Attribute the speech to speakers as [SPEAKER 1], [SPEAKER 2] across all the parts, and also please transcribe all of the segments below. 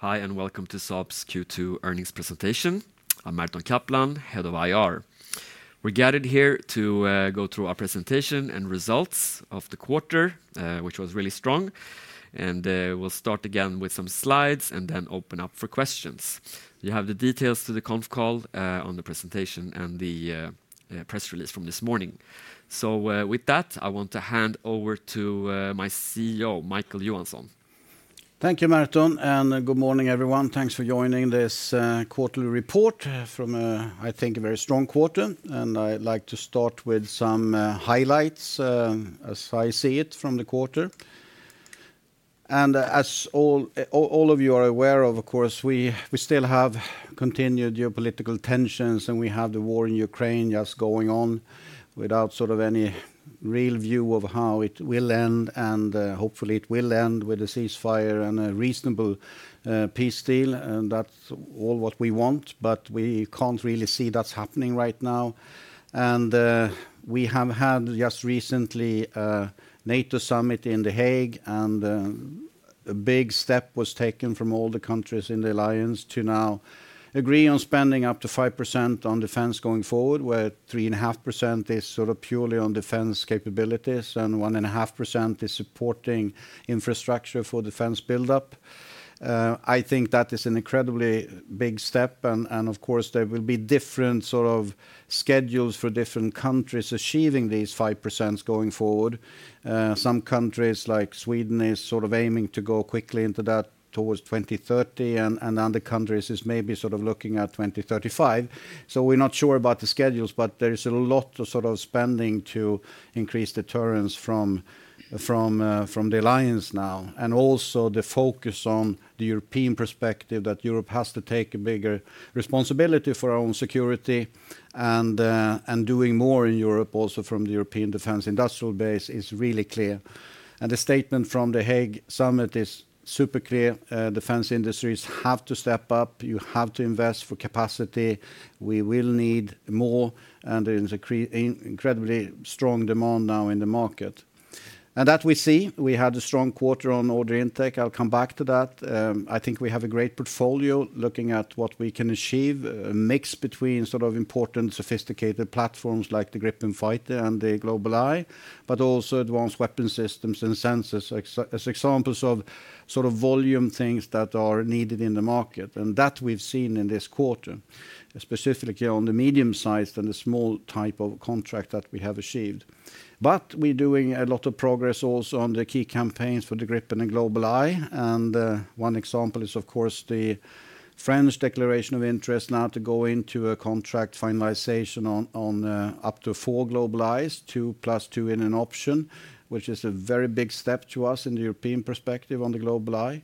[SPEAKER 1] Hi, and welcome to Saab's Q2 earnings presentation. I'm Merton Kaplan, Head of IR. We're gathered here to go through our presentation and results of the quarter, which was really strong. We'll start again with some slides and then open up for questions. You have the details to the conference call on the presentation and the press release from this morning. With that, I want to hand over to my CEO, Micael Johansson.
[SPEAKER 2] Thank you, Merton. Good morning, everyone. Thanks for joining. This quarterly report from, I think, a very strong quarter. I'd like to start with some highlights. As I see it from the quarter. As all of you are aware of, of course, we still have continued geopolitical tensions, and we have the war in Ukraine just going on without sort of any real view of how it will end. Hopefully, it will end with a ceasefire and a reasonable peace deal. That's all what we want. But we can't really see that's happening right now. We have had just recently a NATO summit in The Hague, and a big step was taken from all the countries in the Alliance to now agree on spending up to 5% on defense going forward, where 3.5% is sort of purely on defense capabilities and 1.5% is supporting infrastructure for defense build-up. I think that is an incredibly big step. Of course, there will be different sort of schedules for different countries achieving these 5% going forward. Some countries, like Sweden, are sort of aiming to go quickly into that towards 2030, and other countries are maybe sort of looking at 2035. So we're not sure about the schedules, but there is a lot of sort of spending to increase deterrence from the Alliance now. Also the focus on the European perspective that Europe has to take a bigger responsibility for our own security and doing more in Europe also from the European Defense Industrial Base is really clear. The statement from The Hague Summit is super clear. Defense industries have to step up. You have to invest for capacity. We will need more. There is an incredibly strong demand now in the market. That we see. We had a strong quarter on Order Intake. I'll come back to that. I think we have a great portfolio looking at what we can achieve, a mix between sort of important sophisticated platforms like the Gripen fighter and the GlobalEye, but also advanced weapon systems and sensors as examples of sort of volume things that are needed in the market. That we've seen in this quarter, specifically on the medium size and the small type of contract that we have achieved. But we're doing a lot of progress also on the key campaigns for the Gripen and GlobalEye. One example is, of course, the French Declaration of Interest now to go into a contract finalization on up to four GlobalEyes, two plus two in an option, which is a very big step to us in the European Perspective on the GlobalEye.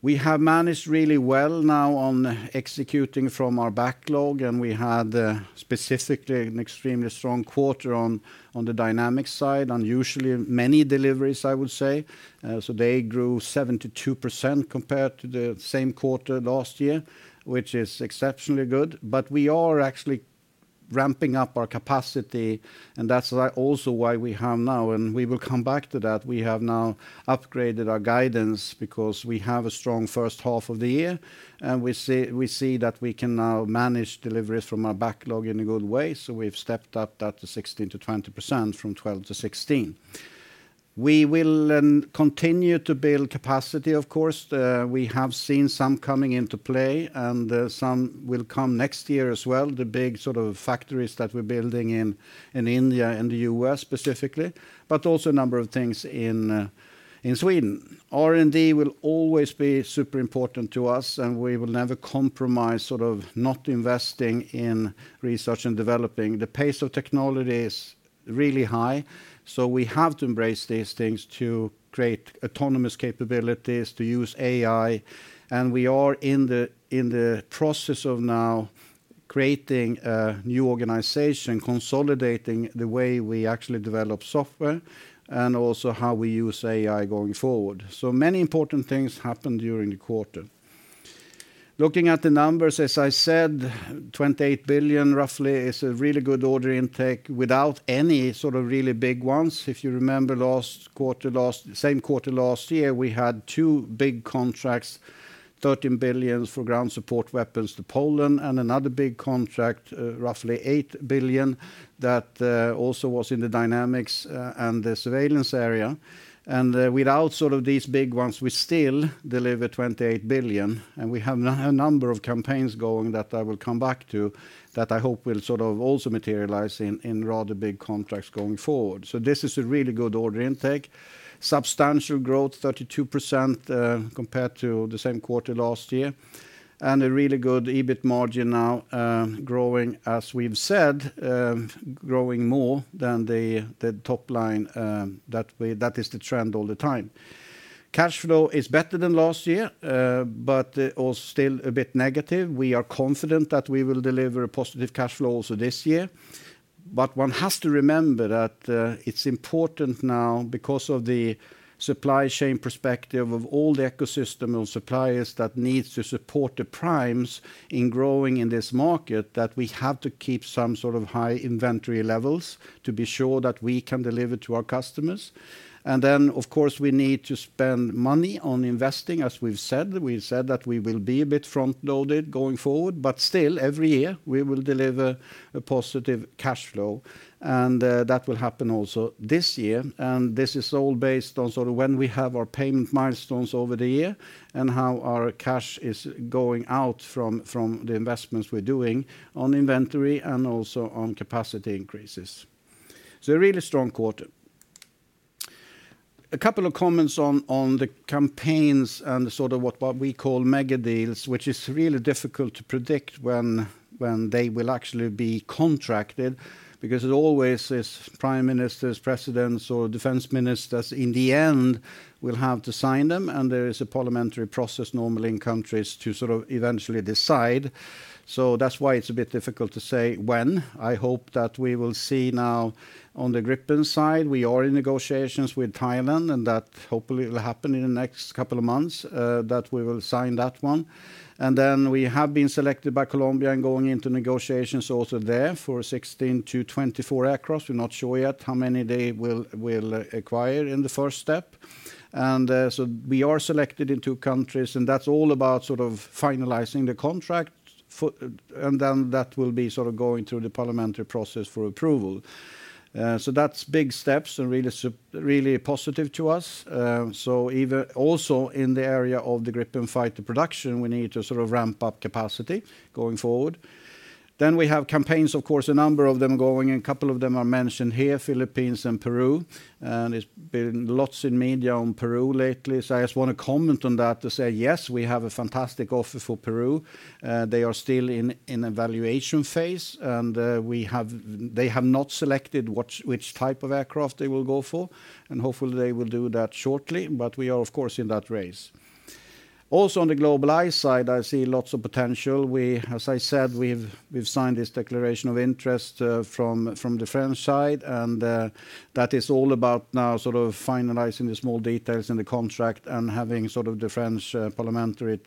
[SPEAKER 2] We have managed really well now on executing from our Backlog, and we had specifically an extremely strong quarter on the Dynamics side, unusually many deliveries, I would say. So they grew 72% compared to the same quarter last year, which is exceptionally good. We are actually ramping up our capacity, and that's also why we have now, and we will come back to that. We have now upgraded our guidance because we have a strong first half of the year, and we see that we can now manage deliveries from our Backlog in a good way. So we've stepped up that to 16%-20% from 12%-16%. We will continue to build capacity, of course. We have seen some coming into play, and some will come next year as well. The big sort of Factories that we're building in India and the U.S. specifically, but also a number of things in Sweden. R&D will always be super important to us, and we will never compromise sort of not investing in research and developing. The pace of technology is really high, so we have to embrace these things to create autonomous capabilities, to use AI. And we are in the process of now creating a new organization, consolidating the way we actually develop software, and also how we use AI going forward. So many important things happened during the quarter. Looking at the numbers, as I said, 28 billion roughly is a really good Order Intake without any sort of really big ones. If you remember last quarter, same quarter last year, we had two big Contracts, 13 billion for Ground Support Weapons to Poland, and another big contract, roughly 8 billion, that also was in the Dynamics and the Surveillance area. And without sort of these big ones, we still deliver 28 billion. And we have a number of campaigns going that I will come back to that I hope will sort of also materialize in rather big Contracts going forward. So this is a really good order intake. Substantial growth, 32% compared to the same quarter last year. And a really good EBIT margin now growing, as we've said. Growing more than the top line. That is the trend all the time. Cash flow is better than last year, but also still a bit negative. We are confident that we will deliver a positive cash flow also this year. One has to remember that it's important now because of the supply chain perspective of all the ecosystem of suppliers that needs to support the primes in growing in this market, that we have to keep some sort of high inventory levels to be sure that we can deliver to our customers. And then, of course, we need to spend money on investing, as we've said. We've said that we will be a bit front-loaded going forward, but still, every year we will deliver a positive cash flow. And that will happen also this year. And this is all based on sort of when we have our payment milestones over the year and how our cash is going out from the investments we're doing on inventory and also on capacity increases. So a really strong quarter. A couple of comments on the campaigns and sort of what we call Mega Deals, which is really difficult to predict when they will actually be contracted, because it always is Prime Ministers, Presidents, or Defense Ministers in the end will have to sign them. There is a parliamentary process normally in countries to sort of eventually decide. So that's why it's a bit difficult to say when. I hope that we will see now on the Gripen side. We are in negotiations with Thailand, and that hopefully will happen in the next couple of months, that we will sign that one. Then we have been selected by Colombia and going into negotiations also there for 16-24 aircraft. We're not sure yet how many they will acquire in the first step. So we are selected in two countries, and that's all about sort of finalizing the contract. Then that will be sort of going through the parliamentary process for approval. So that's big steps and really positive to us. So even also in the area of the Gripen fighter production, we need to sort of ramp up capacity going forward. Then we have campaigns, of course, a number of them going, and a couple of them are mentioned here, Philippines and Peru. There's been lots in media on Peru lately. So I just want to comment on that to say, yes, we have a fantastic offer for Peru. They are still in an evaluation phase, and they have not selected which type of aircraft they will go for. Hopefully, they will do that shortly. But we are, of course, in that race. Also on the GlobalEye side, I see lots of potential. As I said, we've signed this Declaration of Interest from the French side. That is all about now sort of finalizing the small details in the contract and having sort of the French parliamentary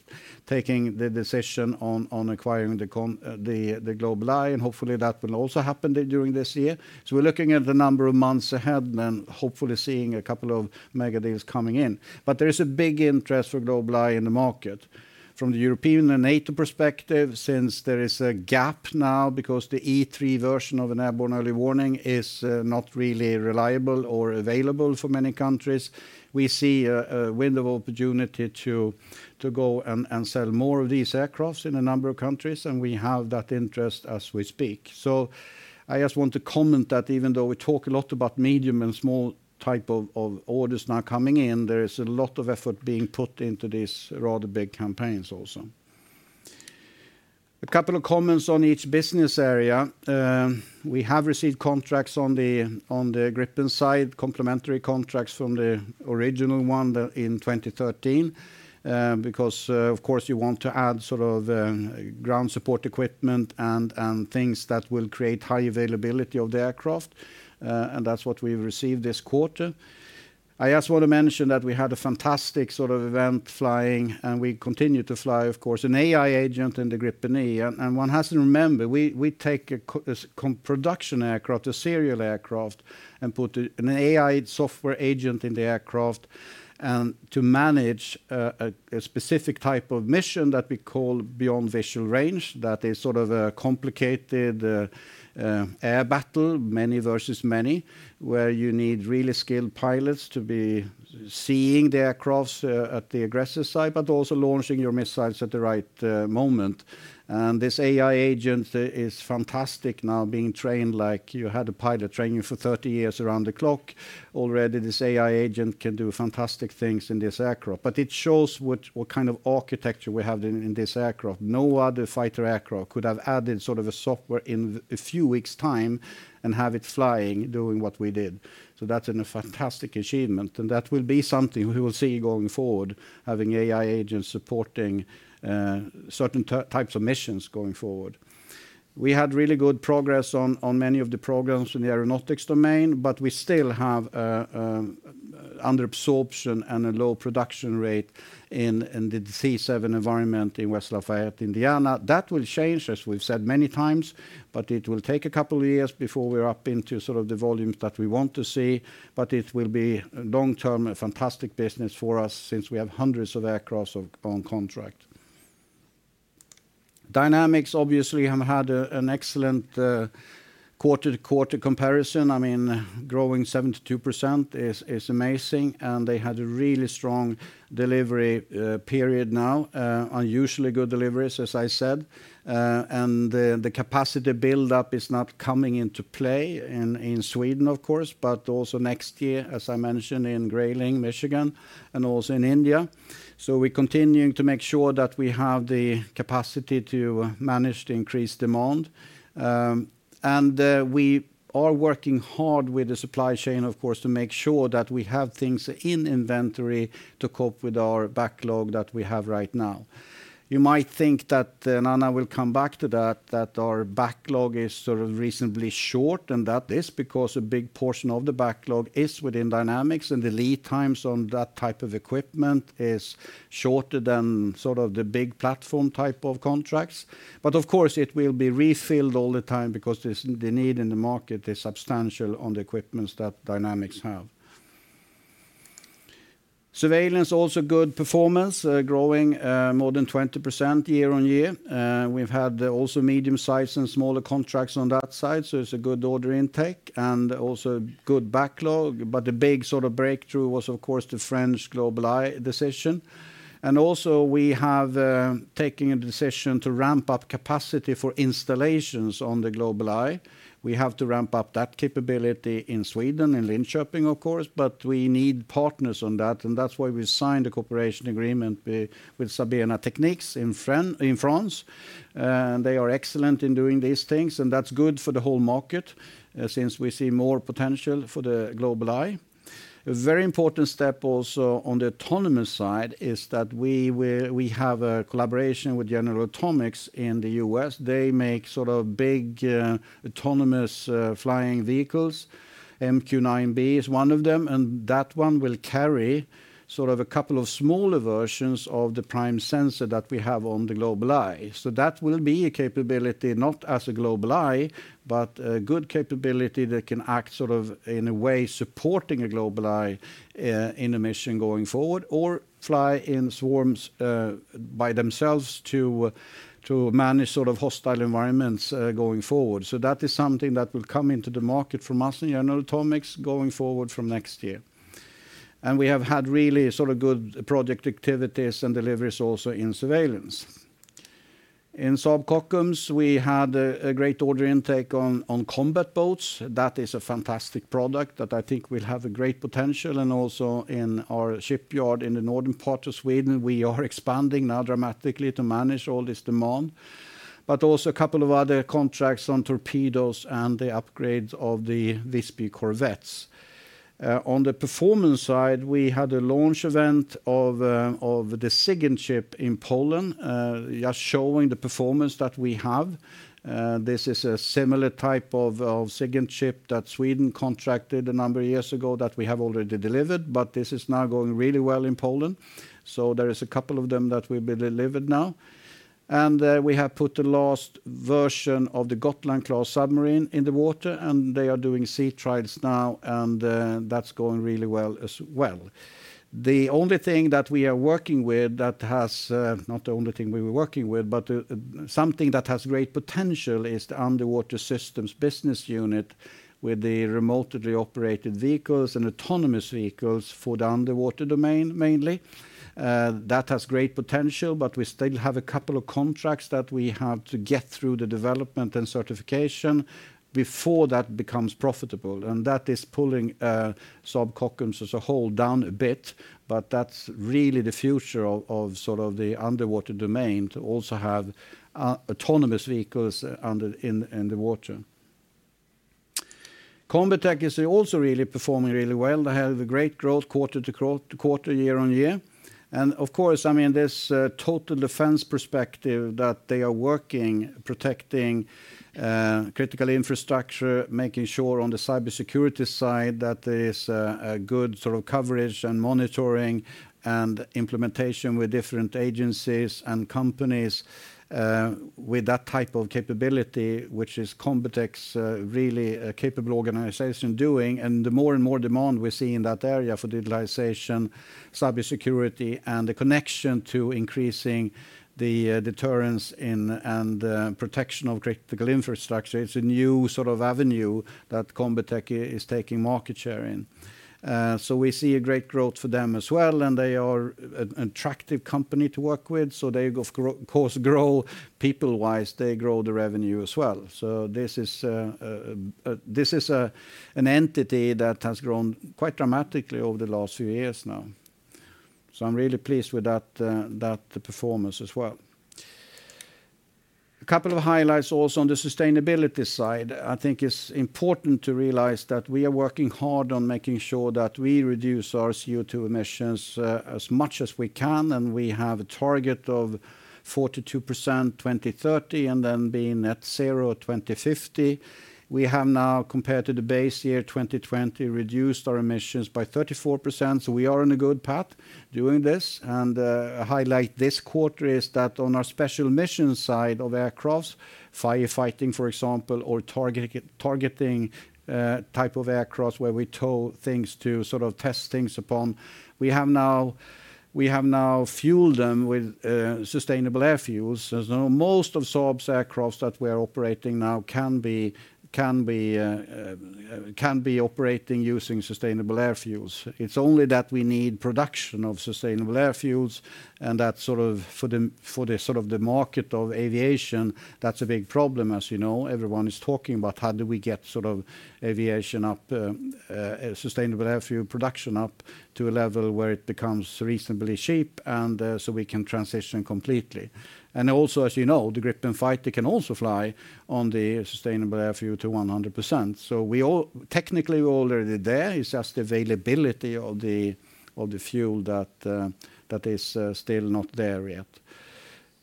[SPEAKER 2] taking the decision on acquiring the GlobalEye. Hopefully, that will also happen during this year. So we're looking at the number of months ahead and hopefully seeing a couple of mega deals coming in. But there is a big interest for GlobalEye in the market from the European and NATO perspective since there is a gap now because the E-3 version of an airborne Early Warning is not really reliable or available for many countries. We see a window of opportunity to go and sell more of these aircraft in a number of countries, and we have that interest as we speak. So I just want to comment that even though we talk a lot about medium and small type of orders now coming in, there is a lot of effort being put into these rather big campaigns also. A couple of comments on each business area. We have received contracts on the Gripen side, complementary contracts from the original one in 2013. Because, of course, you want to add sort of Ground Support Equipment and things that will create high availability of the aircraft. That's what we've received this quarter. I just want to mention that we had a fantastic sort of event flying, and we continue to fly, of course, an AI agent in the Gripen E. One has to remember, we take a Production Aircraft, a Serial Aircraft, and put an AI software agent in the aircraft to manage a specific type of Mission that we call Beyond Visual Range. That is sort of a complicated air battle, many versus many, where you need really skilled pilots to be seeing the aircraft at the aggressive side, but also launching your missiles at the right moment. This AI agent is fantastic now, being trained like you had a pilot training for 30 years around the clock. Already, this AI agent can do fantastic things in this aircraft. It shows what kind of architecture we have in this aircraft. No other fighter aircraft could have added sort of a software in a few weeks' time and have it flying, doing what we did. That's a fantastic achievement. That will be something we will see going forward, having AI agents supporting certain types of missions going forward. We had really good progress on many of the programs in the aeronautics domain, but we still have under absorption and a low production rate in the C7 environment in West Lafayette, Indiana. That will change, as we've said many times, but it will take a couple of years before we're up into sort of the volumes that we want to see. It will be long-term a fantastic business for us since we have hundreds of aircraft on contract. Dynamics obviously have had an excellent quarter-to-quarter comparison. I mean, growing 72% is amazing. They had a really strong delivery period now, unusually good deliveries, as I said. The capacity buildup is not coming into play in Sweden, of course, but also next year, as I mentioned, in Grayling, Michigan, and also in India. We're continuing to make sure that we have the capacity to manage the increased demand. We are working hard with the supply chain, of course, to make sure that we have things in inventory to cope with our backlog that we have right now. You might think that, and I will come back to that, that our backlog is sort of reasonably short and that is because a big portion of the backlog is within Dynamics and the lead times on that type of equipment is shorter than sort of the big platform type of contracts. Of course, it will be refilled all the time because the need in the market is substantial on the equipment that Dynamics have. Surveillance also good performance, growing more than 20% year-on-year. We've had also medium-sized and smaller contracts on that side. It's a good order intake and also good backlog. But the big sort of breakthrough was, of course, the French GlobalEye decision. Also we have taken a decision to ramp up capacity for installations on the GlobalEye. We have to ramp up that capability in Sweden, in Linköping, of course, but we need partners on that. That's why we signed a cooperation agreement with Sabena Technics in France. They are excellent in doing these things. That's good for the whole market since we see more potential for the GlobalEye. A very important step also on the autonomous side is that we have a collaboration with General Atomics in the U.S. They make sort of big autonomous flying vehicles. MQ-9B is one of them. That one will carry sort of a couple of smaller versions of the prime sensor that we have on the GlobalEye. That will be a capability not as a GlobalEye, but a good capability that can act sort of in a way supporting a GlobalEye in a mission going forward or fly in swarms by themselves to manage sort of hostile environments going forward. That is something that will come into the market from us and General Atomics going forward from next year. We have had really sort of good project activities and deliveries also in Surveillance. In Saab Kockums, we had a great order intake on combat boats. That is a fantastic product that I think will have a great potential. Also in our shipyard in the northern part of Sweden, we are expanding now dramatically to manage all this demand. But also a couple of other contracts on torpedoes and the upgrade of the Visby Corvettes. On the performance side, we had a launch event of the SIGINT ship in Poland, just showing the performance that we have. This is a similar type of SIGINT ship that Sweden contracted a number of years ago that we have already delivered, but this is now going really well in Poland. There is a couple of them that we've delivered now. We have put the last version of the Gotland-class submarine in the water, and they are doing sea trials now, and that's going really well as well. The only thing that we are working with that has, not the only thing we were working with, but something that has great potential is the Underwater Systems Business Unit with the remotely operated vehicles and autonomous vehicles for the underwater domain mainly. That has great potential, but we still have a couple of contracts that we have to get through the Development and Certification before that becomes profitable. That is pulling Saab Kockums as a whole down a bit, but that's really the future of sort of the underwater domain to also have autonomous vehicles in the water. Combitech is also really performing really well. They have a great growth Quarter to Quarter year-on-year. And of course, I mean, this total defense perspective that they are working, protecting critical infrastructure, making sure on the cybersecurity side that there is a good sort of coverage and monitoring and implementation with different agencies and companies. With that type of capability, which is Combitech's really capable organization doing. The more and more demand we see in that area for digitalization, Cybersecurity, and the connection to increasing the deterrence and protection of Critical Infrastructure, it's a new sort of avenue that Combitech is taking market share in. We see a great growth for them as well, and they are an attractive company to work with. They of course grow people-wise, they grow the revenue as well. This is an entity that has grown quite dramatically over the last few years now. I'm really pleased with that performance as well. A couple of highlights also on the Sustainability side. I think it's important to realize that we are working hard on making sure that we reduce our CO2 emissions as much as we can. We have a target of 42% 2030 and then being Net Zero 2050. We have now, compared to the base year 2020, reduced our emissions by 34%. We are on a good path doing this. A highlight this quarter is that on our special Mission side of Aircraft, firefighting, for example, or targeting type of Aircraft where we tow things to sort of test things upon, we have now fueled them with sustainable aviation fuel. Most of Saab's Aircraft that we are operating now can be operating using sustainable aviation fuel. It's only that we need production of sustainable aviation fuel. That sort of for the sort of the market of Aviation, that's a big problem, as you know. Everyone is talking about how do we get sort of Aviation up. sustainable aviation fuel production up to a level where it becomes reasonably cheap and so we can transition completely. Also, as you know, the Gripen Fighter can also fly on the sustainable aviation fuel to 100%. Technically, we're already there. It's just the availability of the fuel that is still not there yet.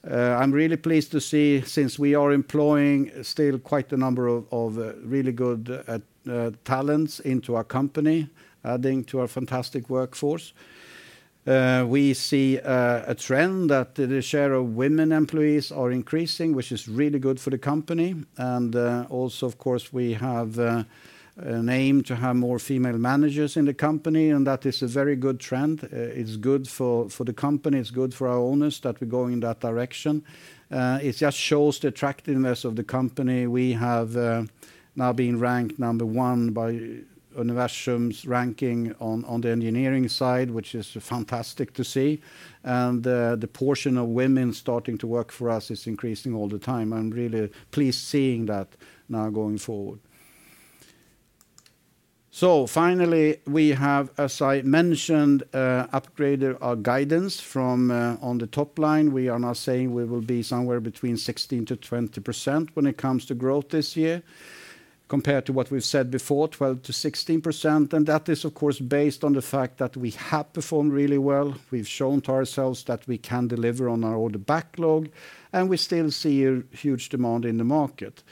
[SPEAKER 2] I'm really pleased to see since we are employing still quite a number of really good talents into our company, adding to our fantastic workforce. We see a trend that the share of women employees are increasing, which is really good for the company. Also, of course, we have an aim to have more female managers in the company, and that is a very good trend. It's good for the company. It's good for our owners that we're going in that direction. It just shows the attractiveness of the company. We have now been ranked number one by Universum's Ranking on the engineering side, which is fantastic to see. The portion of women starting to work for us is increasing all the time. I'm really pleased seeing that now going forward. Finally, we have, as I mentioned, upgraded our guidance from on the top line. We are now saying we will be somewhere between 16%-20% when it comes to growth this year. Compared to what we've said before, 12%-16%. That is, of course, based on the fact that we have performed really well. We've shown to ourselves that we can deliver on our order Backlog, and we still see a huge demand in the market.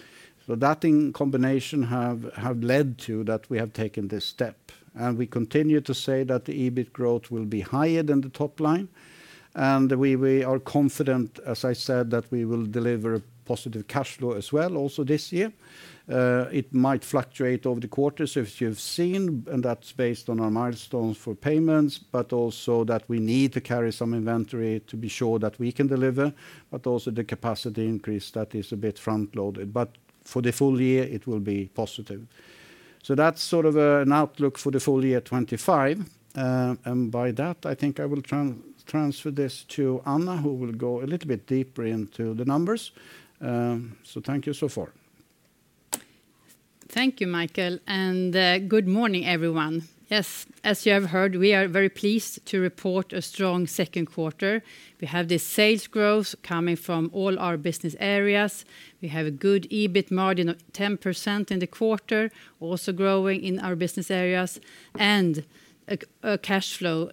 [SPEAKER 2] That in combination have led to that we have taken this step. We continue to say that the EBIT growth will be higher than the top line. We are confident, as I said, that we will deliver a positive cash flow as well also this year. It might fluctuate over the quarters, as you've seen, and that's based on our milestones for payments, but also that we need to carry some inventory to be sure that we can deliver, but also the capacity increase that is a bit front-loaded. But for the full year, it will be positive. That's sort of an outlook for the Full Year 2025. By that, I think I will transfer this to Anna, who will go a little bit deeper into the numbers. Thank you so far.
[SPEAKER 3] Thank you, Micael. Good morning, everyone. Yes, as you have heard, we are very pleased to report a strong second quarter. We have this sales growth coming from all our business areas. We have a good EBIT margin of 10% in the quarter, also growing in our business areas, and operational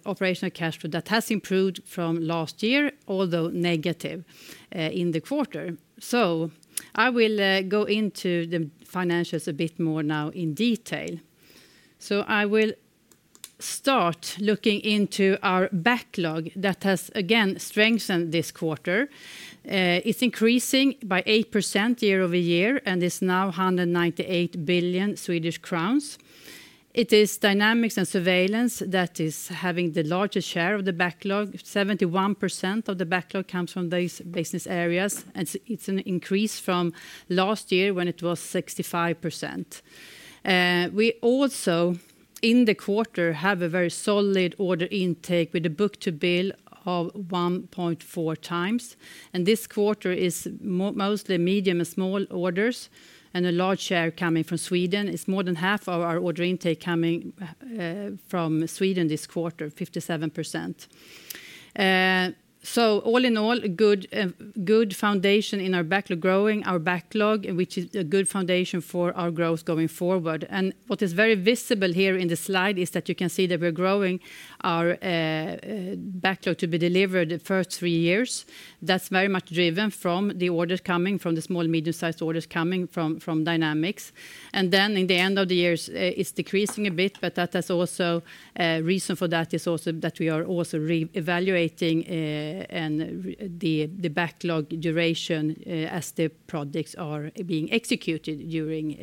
[SPEAKER 3] cash flow that has improved from last year, although negative in the quarter. I will go into the financials a bit more now in detail. I will start looking into our Backlog that has, again, strengthened this quarter. It's increasing by 8% year-over-year and is now 198 billion Swedish crowns. It is Dynamics and Surveillance that is having the largest share of the Backlog. 71% of the Backlog comes from these business areas, and it's an increase from last year when it was 65%. We also, in the quarter, have a very solid order intake with a Book-to-Bill of 1.4 times. This quarter is mostly medium and small orders, and a large share coming from Sweden. It's more than half of our Order Intake coming from Sweden this quarter, 57%. All in all, good foundation in our Backlog, growing our Backlog, which is a good foundation for our growth going forward. What is very visible here in the slide is that you can see that we're growing our Backlog to be delivered the first three years. That's very much driven from the orders coming from the small and medium-sized orders coming from Dynamics. In the end of the year, it's decreasing a bit, but that has also a reason for that is also that we are also re-evaluating the Backlog duration as the projects are being executed during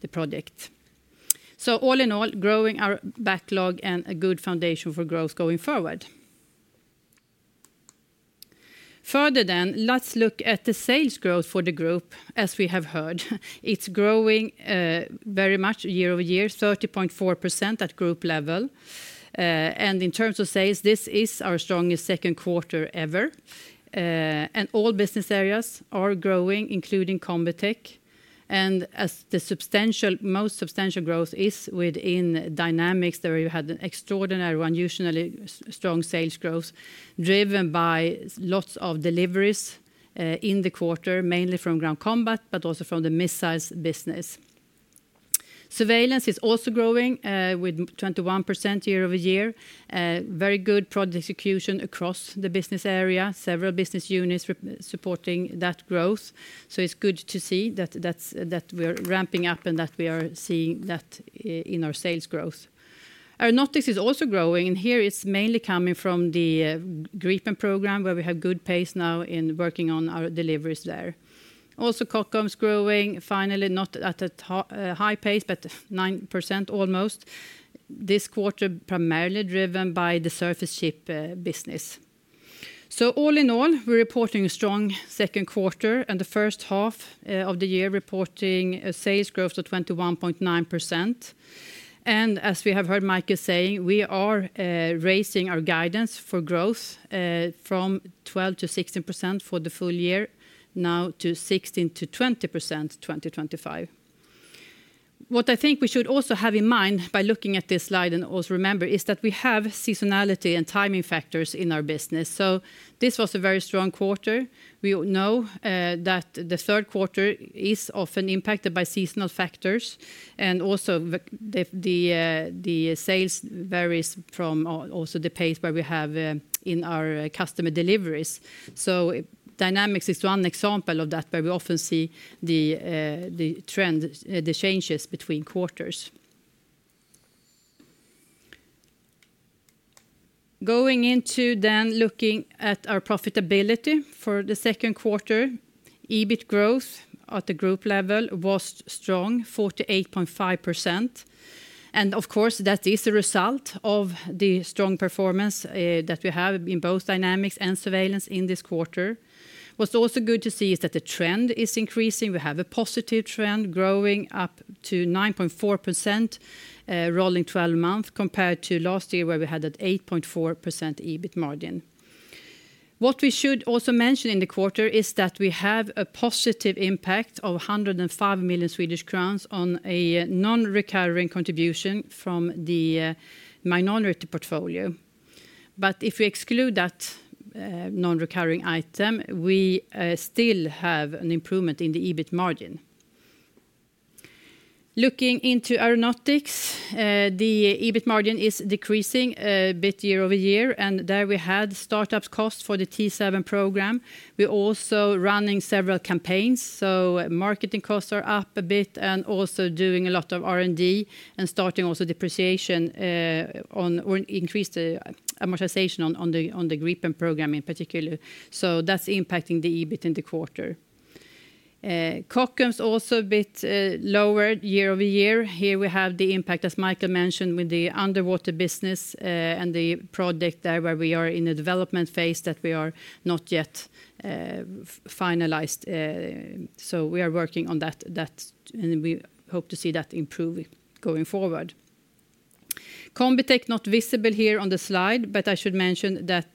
[SPEAKER 3] the project. So all in all, growing our Backlog and a good foundation for growth going forward. Further then, let's look at the sales growth for the group, as we have heard. It's growing very much year-over-year, 30.4% at Group Level. In terms of sales, this is our strongest second quarter ever. All business areas are growing, including Combitech. The most substantial growth is within Dynamics, where you had an extraordinary, unusually strong sales growth driven by lots of deliveries in the quarter, mainly from ground combat, but also from the Missiles Business. Surveillance is also growing with 21% year-over-year. Very good project execution across the business area, several business units supporting that growth. So it's good to see that we're ramping up and that we are seeing that in our sales growth. Aeronautics is also growing, and here it's mainly coming from the Gripen Program, where we have good pace now in working on our deliveries there. Also, Kockums growing, finally, not at a high pace, but 9% almost. This quarter, primarily driven by the Surface Ship business. So all in all, we're reporting a strong second quarter and the first half of the year reporting a sales growth of 21.9%. As we have heard Micael saying, we are raising our guidance for growth from 12%-16% for the full year now to 16%-20% 2025. What I think we should also have in mind by looking at this slide and also remember is that we have seasonality and timing factors in our business. So this was a very strong quarter. We know that the third quarter is often impacted by seasonal factors. Also, the sales varies from also the pace where we have in our customer deliveries. So Dynamics is one example of that, where we often see the trend, the changes between quarters. Going into then looking at our profitability for the second quarter, EBIT growth at the Group Level was strong, 48.5%. Of course, that is a result of the strong performance that we have in both Dynamics and Surveillance in this quarter. What's also good to see is that the trend is increasing. We have a positive trend growing up to 9.4% Rolling 12 months compared to last year, where we had an 8.4% EBIT margin. What we should also mention in the quarter is that we have a positive impact of 105 million Swedish crowns on a non-recurring contribution from the Minority Portfolio. But if we exclude that non-recurring item, we still have an improvement in the EBIT margin. Looking into Aeronautics, the EBIT margin is decreasing a bit year-over-year, and there we had startup costs for the T-7 Program. We're also running several campaigns, so marketing costs are up a bit and also doing a lot of R&D and starting also depreciation. Or increase the amortization on the Gripen Program in particular. That's impacting the EBIT in the quarter. Kockums also a bit lower year-over-year. Here we have the impact, as Micael mentioned, with the Underwater Business and the project there where we are in the development phase that we are not yet finalized. We are working on that. We hope to see that improve going forward. Combitech, not visible here on the slide, but I should mention that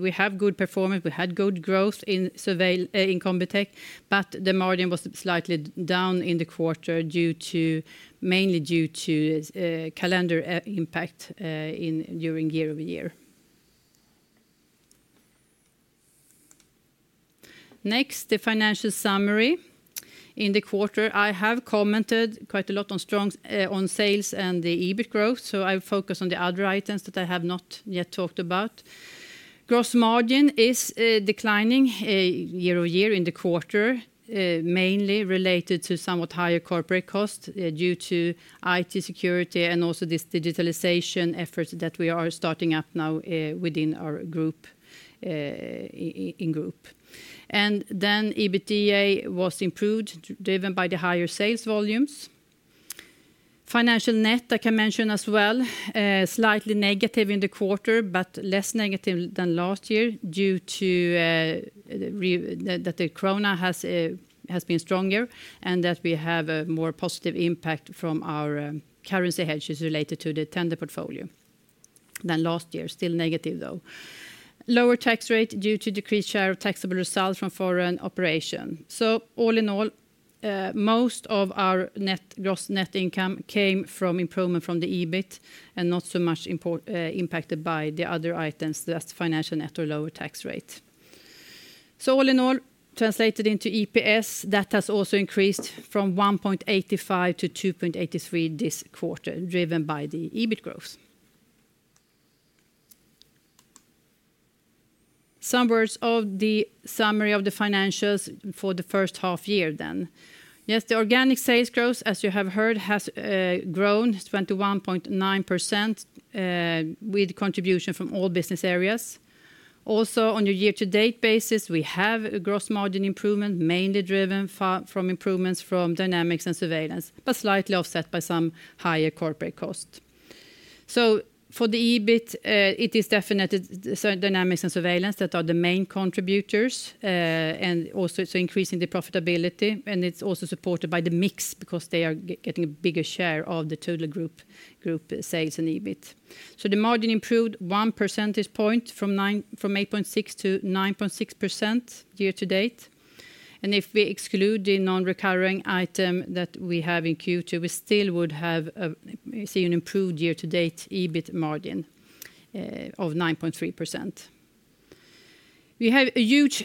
[SPEAKER 3] we have good performance. We had good growth in Combitech, but the margin was slightly down in the quarter mainly due to calendar impact during year-over-year. Next, the Financial Summary in the quarter. I have commented quite a lot on sales and the EBIT growth, so I will focus on the other items that I have not yet talked about. Gross margin is declining year-over-year in the quarter, mainly related to somewhat higher corporate costs due to IT security and also this Digitalization Effort that we are starting up now within our Group. EBITDA was improved, driven by the higher sales volumes. financial net, I can mention as well, slightly negative in the quarter, but less negative than last year due to that the krona has been stronger and that we have a more positive impact from our currency hedges related to the Tender Portfolio than last year, still negative though. Lower Tax Rate due to decreased share of taxable result from foreign operations. All in all, most of our gross net income came from improvement from the EBIT and not so much impacted by the other items, that's financial net or lower tax rate. All in all, translated into EPS, that has also increased from 1.85 to 2.83 this quarter, driven by the EBIT growth. Some words of the summary of the financials for the First Half-Year then. Yes, the Organic Sales Growth, as you have heard, has grown 21.9% with contribution from all business areas. Also, on a year-to-date basis, we have a Gross Margin improvement mainly driven from improvements from Dynamics and Surveillance, but slightly offset by some higher corporate costs. For the EBIT, it is definitely Dynamics and Surveillance that are the main contributors and also increasing the profitability. It's also supported by the mix because they are getting a bigger share of the total Group sales and EBIT. The margin improved one percentage point from 8.6% to 9.6% year-to-date. If we exclude the non-recurring item that we have in Q2, we still would have an improved year-to-date EBIT margin of 9.3%. We have a huge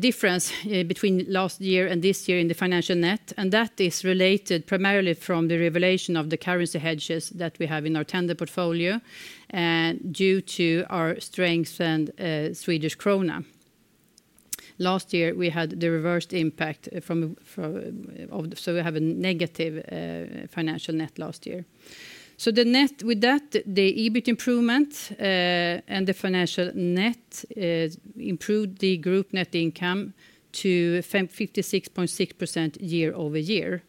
[SPEAKER 3] difference between last year and this year in the Financial Net, and that is related primarily from the revaluation of the Currency Hedges that we have in our tender portfolio. Due to our strengthened Swedish krona. Last year, we had the reversed impact. We have a negative financial net last year. With that, the EBIT improvement and the financial net improved the group net income to 56.6% year-over-year.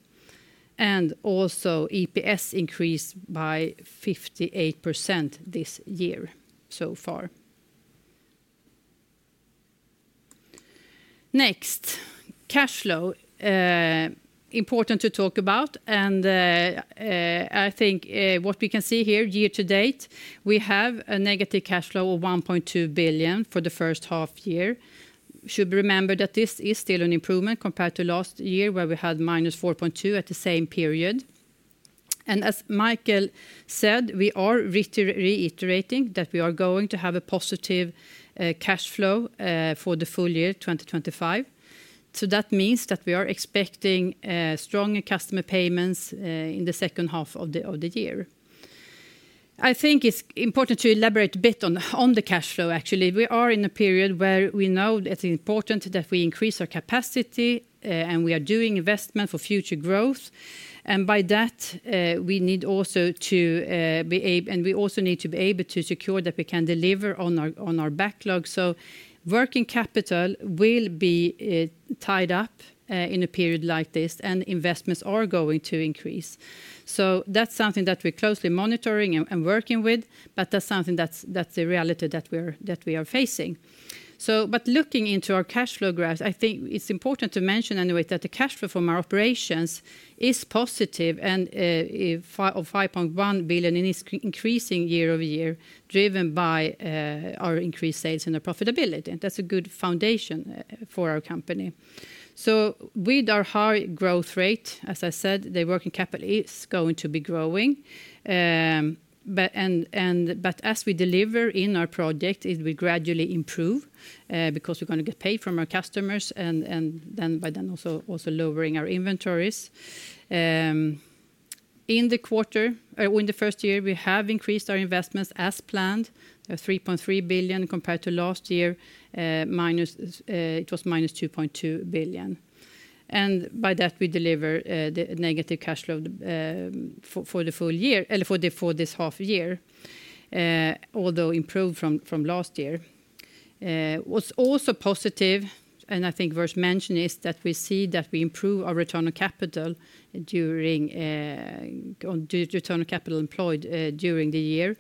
[SPEAKER 3] Also EPS increased by 58% this year so far. Next, cash flow. Important to talk about. I think what we can see here, year-to-date, we have a negative Cash Flow of 1.2 billion for the first half year. Should remember that this is still an improvement compared to last year, where we had -4.2 at the same period. As Micael said, we are reiterating that we are going to have a positive cash flow for the Full Year 2025. That means that we are expecting stronger customer payments in the second half of the year. I think it's important to elaborate a bit on the cash flow, actually. We are in a period where we know it's important that we increase our capacity and we are doing investment for future growth. By that, we need also to be able, and we also need to be able to secure that we can deliver on our Backlog. Working Capital will be tied up in a period like this, and investments are going to increase. That's something that we're closely monitoring and working with, but that's something that's the reality that we are facing. But looking into our Cash Flow Graph, I think it's important to mention anyway that the cash flow from our operations is positive and of 5.1 billion and is increasing year-over-year, driven by our increased sales and our profitability. That's a good foundation for our company. With our high growth rate, as I said, the working capital is going to be growing. But as we deliver in our project, we gradually improve because we're going to get paid from our customers and then by then also lowering our inventories. In the quarter, or in the first year, we have increased our investments as planned, 3.3 billion compared to last year. It was -2.2 billion. By that, we deliver the negative cash flow for the Full Year, for this Half-Year. Although improved from last year. What's also positive, and I think worth mentioning, is that we see that we improve our return on capital. During Return on Capital Employed during the year.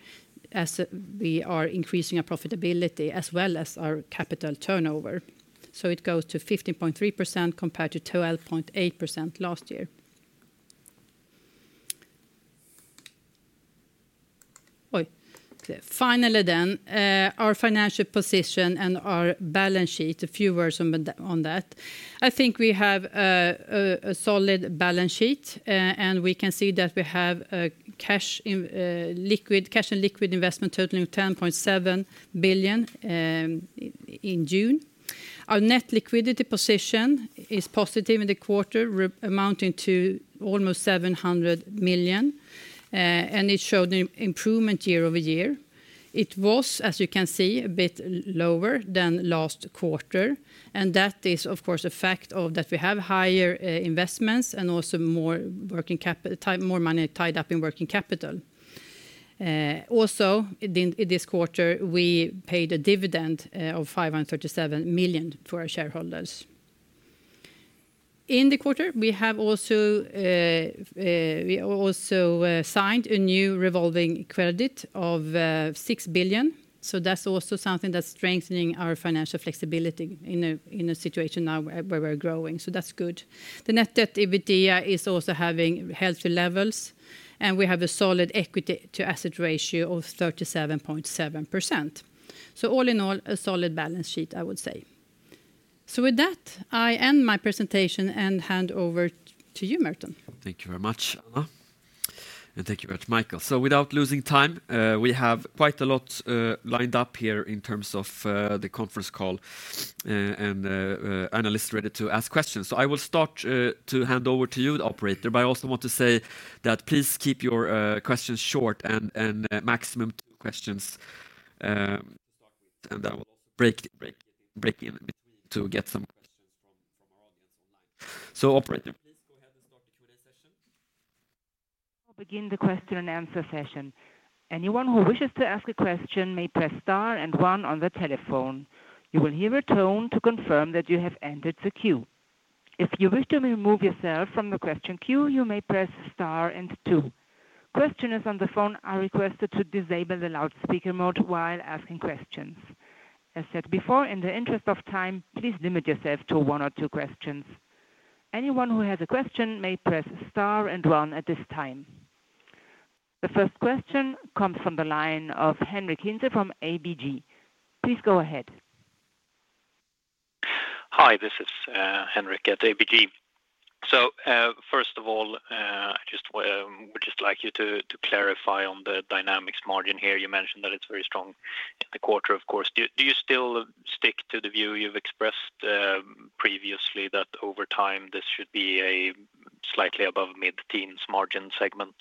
[SPEAKER 3] As we are increasing our profitability as well as our capital turnover. It goes to 15.3% compared to 12.8% last year. Finally then, our Financial Position and our Balance Sheet, a few words on that. I think we have a solid balance sheet, and we can see that we have a cash and liquid investments totaling 10.7 billion in June. Our Net Liquidity Position is positive in the quarter, amounting to almost 700 million. It showed an improvement year-over-year. It was, as you can see, a bit lower than last quarter. And that is, of course, a fact of that we have higher investments and also more money tied up in Working Capital. Also, in this quarter, we paid a dividend of 537 million for our shareholders. In the quarter, we have also signed a new Revolving Credit of 6 billion. So that's also something that's strengthening our financial flexibility in a situation now where we're growing. So that's good. The Net Debt EBITDA is also having healthy levels, and we have a solid Equity-to-Asset Ratio of 37.7%. So all in all, a solid balance sheet, I would say. So with that, I end my presentation and hand over to you, Merton.
[SPEAKER 1] Thank you very much, Anna. And thank you very much, Micael. So without losing time, we have quite a lot lined up here in terms of the conference call. Analysts ready to ask questions. So I will start to hand over to you, the operator. But I also want to say that please keep your questions short and maximum two questions. So, operator, please go ahead and start the Q&A session.
[SPEAKER 4] We'll begin the Question-and-Answer Session. Anyone who wishes to ask a question may press star and one on the telephone. You will hear a tone to confirm that you have entered the queue. If you wish to remove yourself from the question queue, you may press star and two. Questioners on the phone are requested to disable the loudspeaker mode while asking questions. As said before, in the interest of time, please limit yourself to one or two questions. Anyone who has a question may press star and one at this time. The first question comes from the line of Henric Hintze from ABG. Please go ahead.
[SPEAKER 5] Hi, this is Henric at ABG. So first of all. We just like you to clarify on the Dynamics margin here. You mentioned that it's very strong in the quarter, of course. Do you still stick to the view you've expressed previously that over time this should be a slightly above mid-teens margin segment?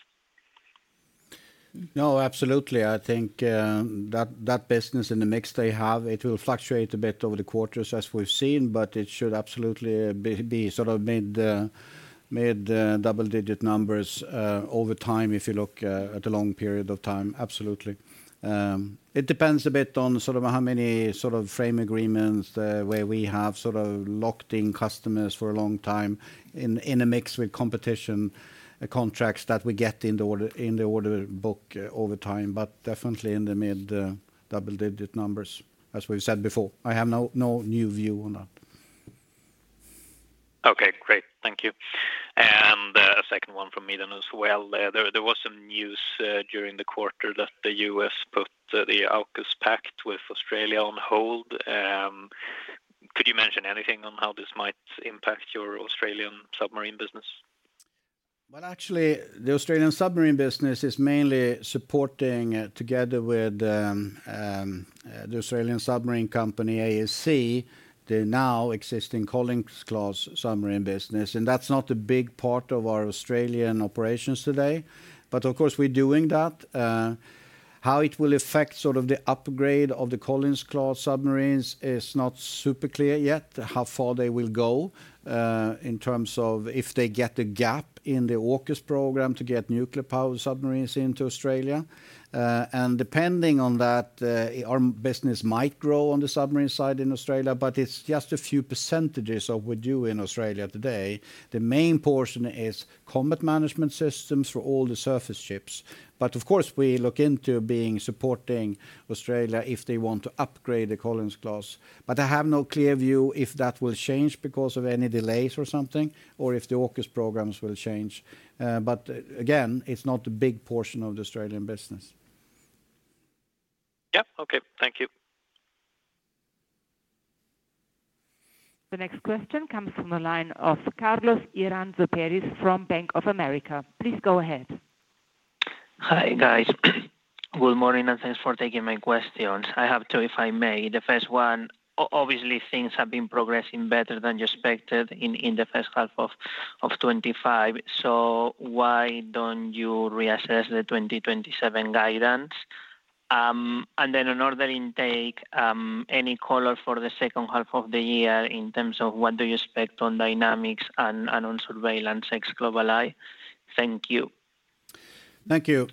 [SPEAKER 2] No, absolutely. I think that business in the mix they have, it will fluctuate a bit over the quarters as we've seen, but it should absolutely be sort of mid double-digit numbers over time if you look at a long period of time. Absolutely. It depends a bit on sort of how many sort of Frame Agreements where we have sort of locked in customers for a long time in a mix with competition. Contracts that we get in the Order Book over time, but definitely in the mid double-digit numbers as we've said before. I have no new view on that.
[SPEAKER 5] Okay, great. Thank you. A second one from Midan as well. There was some news during the quarter that the U.S. put the AUKUS Pact with Australia on hold. Could you mention anything on how this might impact your Australian Submarine business?
[SPEAKER 2] Well, actually, the Australian Submarine business is mainly supporting together with the Australian Submarine Company ASC, the now existing Collins-class Submarine business. That's not a big part of our Australian operations today. Of course, we're doing that. How it will affect sort of the upgrade of the Collins-class Submarines is not super clear yet, how far they will go. In terms of if they get a gap in the AUKUS Program to get Nuclear-powered Submarines into Australia. Depending on that, our business might grow on the submarine side in Australia, but it's just a few % of what we do in Australia today. The main portion is Combat Management Systems for all the surface ships. Of course, we look into being supporting Australia if they want to upgrade the Collins-class. I have no clear view if that will change because of any delays or something, or if the AUKUS Programs will change. Again, it's not a big portion of the Australian business.
[SPEAKER 5] Yep, okay. Thank you.
[SPEAKER 4] The next question comes from the line of Carlos Iranzo Peris from Bank of America. Please go ahead.
[SPEAKER 6] Hi guys. Good morning and thanks for taking my questions. I have two, if I may. The first one, obviously, things have been progressing better than you expected in the first half of 2025. So why don't you reassess the 2027 guidance? Then another intake, any color for the second half of the year in terms of what do you expect on Dynamics and on Surveillance X GlobalEye? Thank you.
[SPEAKER 2] Thank you.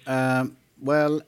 [SPEAKER 2] Well,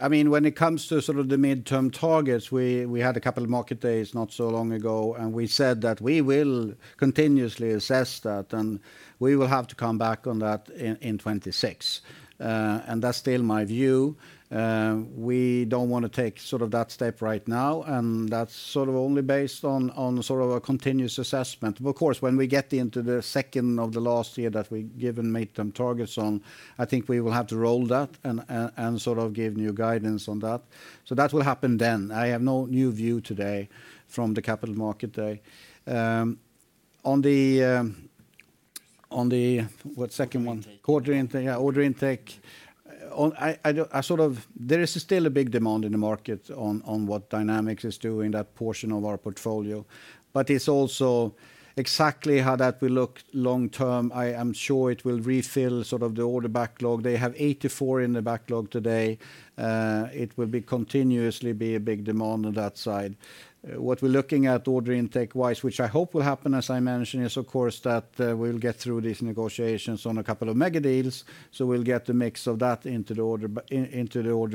[SPEAKER 2] I mean, when it comes to sort of the midterm targets, we had a Couple Markets Day not so long ago, and we said that we will continuously assess that, and we will have to come back on that in '26. That's still my view. We don't want to take sort of that step right now, and that's sort of only based on sort of a continuous assessment. Of course, when we get into the second of the last year that we give and mid-term targets on, I think we will have to roll that and sort of give new guidance on that. So that will happen then. I have no new view today from the Capital Markets Day. On the... What second one? Order Intake. I sort of, there is still a big demand in the market on what Dynamics is doing, that portion of our portfolio. It's also exactly how that will look long term. I am sure it will refill sort of the Order Backlog. They have 84 in the Backlog today. It will continuously be a big demand on that side. What we're looking at Order Intake-wise, which I hope will happen, as I mentioned, is of course that we'll get through these negotiations on a couple of mega-deals. So we'll get the mix of that into the Order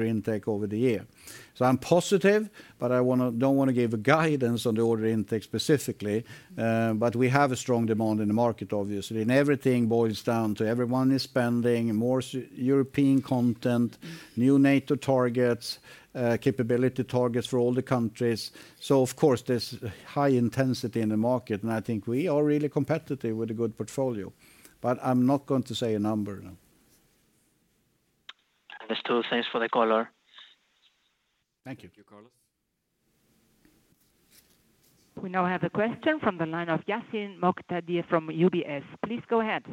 [SPEAKER 2] Intake over the year. So I'm positive, but I don't want to give guidance on the Order Intake specifically. We have a strong demand in the market, obviously. Everything boils down to everyone is spending more European content, new NATO targets, capability targets for all the countries. So of course, there's high intensity in the market, and I think we are really competitive with a good portfolio. I'm not going to say a number now.
[SPEAKER 6] Still thanks for the color. Thank you.
[SPEAKER 2] Thank you, Carlos.
[SPEAKER 4] We now have a question from the line of Yassin Moktadir from UBS. Please go ahead.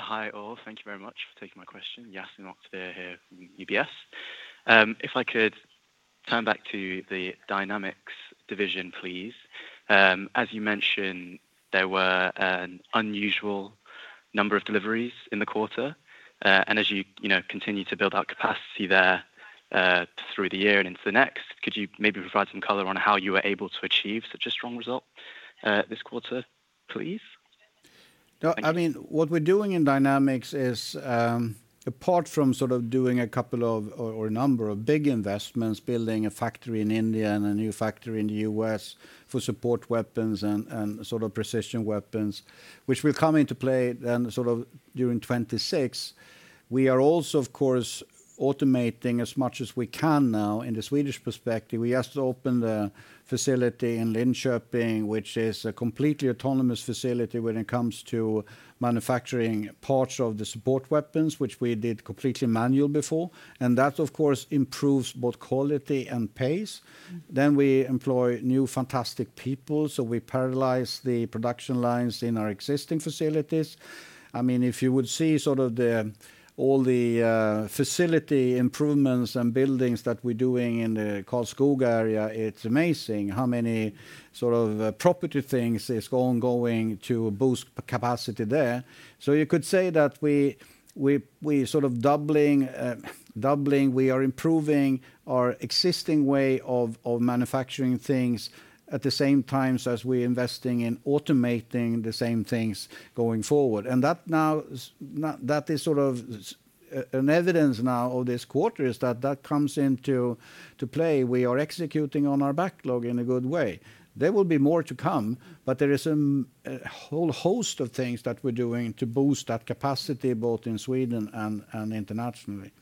[SPEAKER 7] Hi all. Thank you very much for taking my question. Yassin Moktadir here from UBS. If I could turn back to the Dynamics Division, please. As you mentioned, there were an unusual number of deliveries in the quarter. As you continue to build up capacity there through the year and into the next, could you maybe provide some color on how you were able to achieve such a strong result this quarter, please?
[SPEAKER 2] I mean, what we're doing in Dynamics is apart from sort of doing a couple of or a number of big investments, building a factory in India and a new factory in the U.S. for support weapons and sort of precision weapons, which will come into play then sort of during 2026. We are also, of course, automating as much as we can now in the Swedish perspective. We just opened a facility in Linköping, which is a completely autonomous facility when it comes to manufacturing parts of the support weapons, which we did completely manual before. That, of course, improves both quality and pace. Then we employ new fantastic people, so we parallelize the production lines in our existing facilities. I mean, if you would see sort of all the facility improvements and buildings that we're doing in the Karlskoga area, it's amazing how many sort of property things is ongoing to boost capacity there. So you could say that we sort of doubling. We are improving our existing way of manufacturing things at the same time as we are investing in automating the same things going forward. That is sort of an evidence now of this quarter is that that comes into play. We are executing on our backlog in a good way. There will be more to come, but there is a whole host of things that we're doing to boost that capacity both in Sweden and internationally.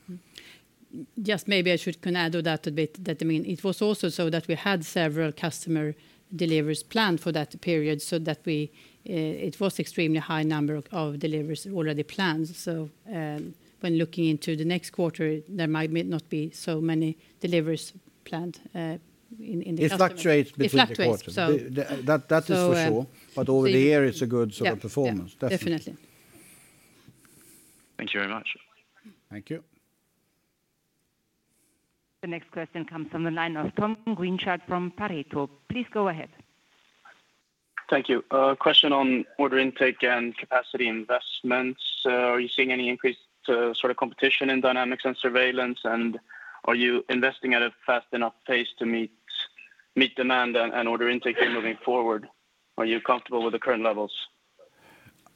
[SPEAKER 3] Just maybe I should add to that a bit that it was also so that we had several customer deliveries planned for that period so that it was an extremely high number of deliveries already planned. So when looking into the next quarter, there might not be so many deliveries planned. In the future.
[SPEAKER 2] That is for sure. Over the year, it's a good sort of performance.
[SPEAKER 3] Definitely.
[SPEAKER 7] Thank you very much.
[SPEAKER 2] Thank you.
[SPEAKER 4] The next question comes from the line of Tom Guinchard from Pareto. Please go ahead.
[SPEAKER 8] Thank you. Question on order intake and capacity investments. Are you seeing any increased sort of competition in Dynamics and Surveillance, and are you investing at a fast enough pace to meet demand and order intake moving forward? Are you comfortable with the current levels?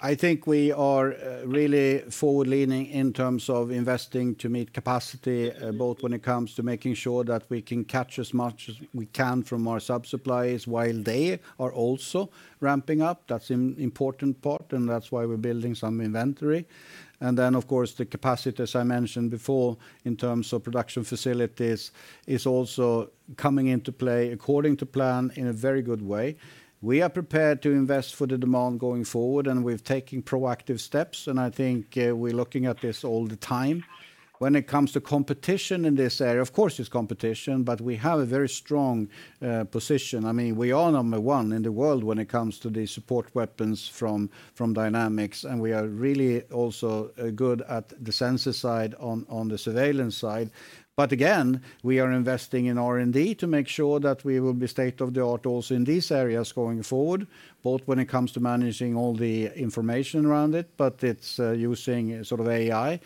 [SPEAKER 2] I think we are really forward-leaning in terms of investing to meet capacity, both when it comes to making sure that we can catch as much as we can from our sub-suppliers while they are also ramping up. That's an important part, and that's why we're building some inventory. Then, of course, the capacity, as I mentioned before, in terms of production facilities, is also coming into play according to plan in a very good way. We are prepared to invest for the demand going forward, and we're taking proactive steps. I think we're looking at this all the time. When it comes to competition in this area, of course, there's competition, we have a very strong position. I mean, we are number one in the world when it comes to the Support Weapons from Dynamics, and we are really also good at the Sensor side, on the Surveillance side. Again, we are investing in R&D to make sure that we will be state of the art also in these areas going forward, both when it comes to managing all the information around it, it's using sort of AI,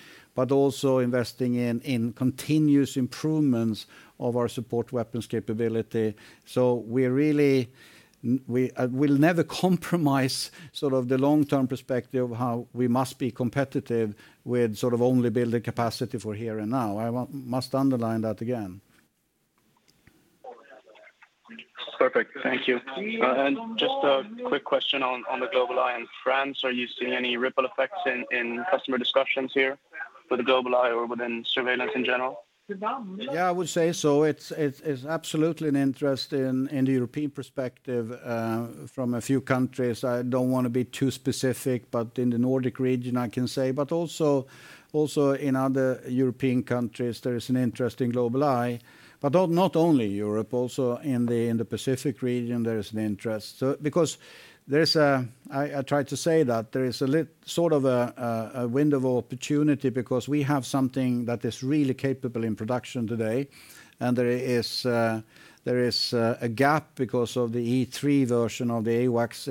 [SPEAKER 2] also investing in continuous improvements of our support weapons capability. So we're really. We'll never compromise sort of the long-term perspective of how we must be competitive with sort of only building capacity for here and now. I must underline that again.
[SPEAKER 8] Perfect. Thank you. Just a quick question on the GlobalEye and France. Are you seeing any ripple effects in customer discussions here with the GlobalEye or within Surveillance in general?
[SPEAKER 2] Yeah, I would say so. It's absolutely an interest in the European perspective from a few countries. I don't want to be too specific, in the Nordic region, I can say. Also. In other European countries, there is an interest in GlobalEye. Not only Europe, also in the Pacific Region, there is an interest. Because there is a, I try to say that there is a sort of a window of opportunity because we have something that is really capable in production today. There is a gap because of the E-3 version of the AWACS